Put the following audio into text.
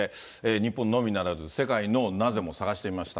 日本のみならず、世界のナゼも探してみました。